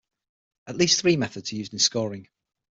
At least three methods are used in scoring.